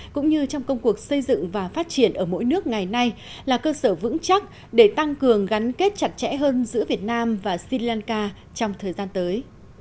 cũng như trong công cuộc xây dựng và phát triển ở mỗi nước ngày nay là cơ sở vững chắc để tăng cường gắn kết chặt chẽ hơn giữa việt nam và sri lanka trong thời gian tới